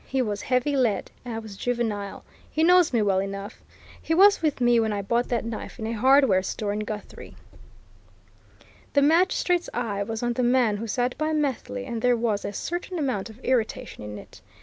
He was heavy lead I was juvenile. He knows me well enough. He was with me when I bought that knife in a hardware store in Guthrie." The magistrate's eye was on the man who sat by Methley, and there was a certain amount of irritation in it.